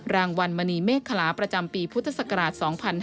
รางวัลมณีเมฆคลาประจำปีพุทธศักราช๒๕๕๙